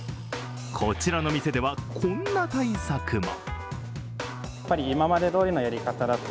こちらの店では、こんな対策も。